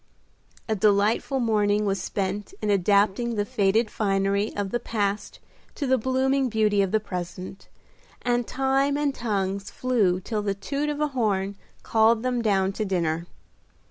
A delightful morning was spent in adapting the faded finery of the past to the blooming beauty of the present, and time and tongues flew till the toot of a horn called them down to dinner.